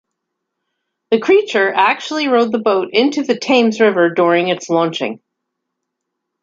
The creature actually rode the boat into the Thames river during its launching.